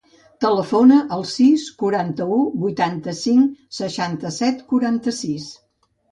Telefona al sis, quaranta-u, vuitanta-cinc, seixanta-set, quaranta-sis.